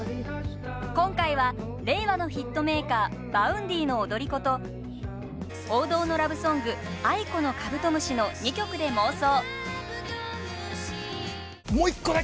今回は、令和のヒットメーカーＶａｕｎｄｙの「踊り子」と王道のラブソング、ａｉｋｏの「カブトムシ」の２曲で妄想。